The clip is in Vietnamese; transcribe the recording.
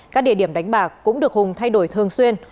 các địa điểm đánh bạc cũng được hùng thay đổi thường xuyên